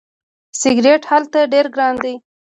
سیګرټ هلته ډیر ګران دي.